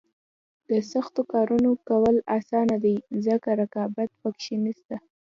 د سختو کارونو کول اسانه دي ځکه رقابت پکې نشته.